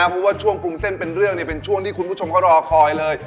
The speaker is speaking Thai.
เพราะว่าช่วงปรุงเส้นเป็นเรื่องเป็นช่วงที่คุณผู้ชมเขารอคอยเลย